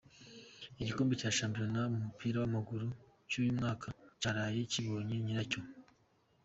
Igikombe cya shampiyona mu mupira w'amaguru cy'uyu mwaka cyaraye kibonye nyiracyo.